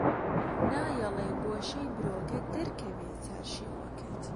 نایەڵێ گۆشەی برۆکەت دەرکەوێ چارشێوەکەت